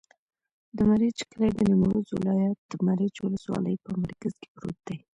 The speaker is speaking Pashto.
د مريچ کلی د نیمروز ولایت، مريچ ولسوالي په مرکز کې پروت دی.